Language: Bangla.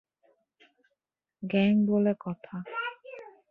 গ্যাং বলে কথা।